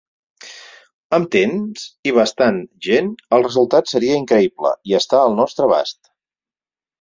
Amb temps i bastant gent el resultat seria increïble, i està al nostre abast.